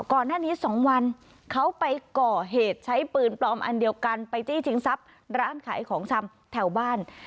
ก่อนหน้านี้๒วันเขาไปก่อเหตุใช้ปืนปลอมอันเดียวกันไปจี้ชิงทรัพย์ร้านขายของชำแถวบ้าน